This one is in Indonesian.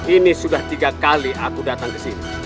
ini sudah tiga kali aku datang ke sini